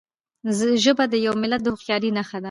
ژبه د یو ملت د هوښیارۍ نښه ده.